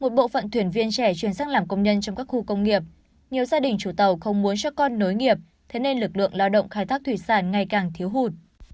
một bộ phận thuyền viên trẻ chuyển sang làm công nhân trong các khu công nghiệp nhiều gia đình chủ tàu không muốn cho con nối nghiệp thế nên lực lượng lao động khai thác thủy sản ngày càng thiếu hụt